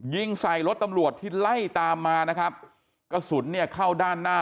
ยิงใส่รถตำรวจที่ไล่ตามมานะครับกระสุนเนี่ยเข้าด้านหน้า